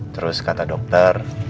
terus kata dokter